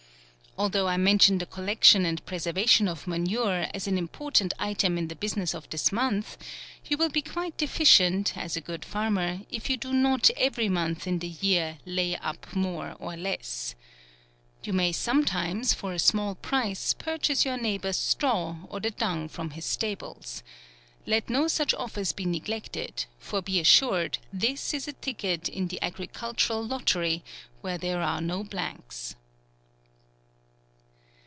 Although 24 * EBRUARY. I mention the collection and preservation of manure, as an important item in the busi ness of this month, you will be quite defi cient, as a good farmer, if you do not every month in the year, lay up more or less. — You may sometimes, for ? small price, pur chase your neighbour's straw, or the dung from his stables. Let no such offers be ne glected, for be assured, this is a ticket in the agricultural lottery, where there are no blanks.